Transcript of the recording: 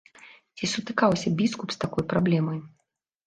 Ці сутыкаўся біскуп з такой праблемай?